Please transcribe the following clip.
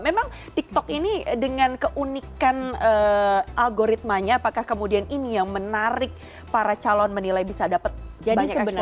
memang tiktok ini dengan keunikan algoritmanya apakah kemudian ini yang menarik para calon menilai bisa dapat banyak exposure di sana